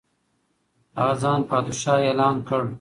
هغه ځان پادشاه اعلان کړ.